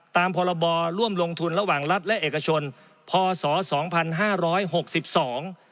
ตามพรบร่วมลงทุนระหว่างรัฐและเอกชนพศสองพันห้าร้อยหกสิบสอง